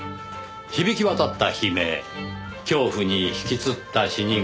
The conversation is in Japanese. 響き渡った悲鳴恐怖に引きつった死に顔。